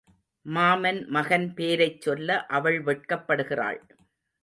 மாமன் மகன் பேரைச் சொல்ல அவள் வெட்கப்படு கிறாள்.